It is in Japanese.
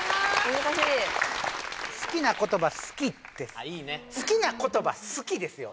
難しい好きな言葉「好き」ってあっいいね好きな言葉「好き」ですよ